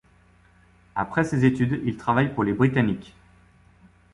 Après ses études, il travaille pour les Britanniques.